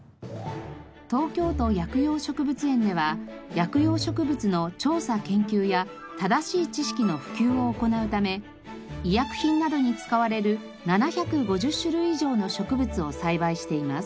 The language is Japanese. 東京都薬用植物園では薬用植物の調査研究や正しい知識の普及を行うため医薬品などに使われる７５０種類以上の植物を栽培しています。